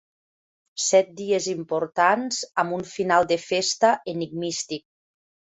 Set dies importants amb un final de festa enigmístic.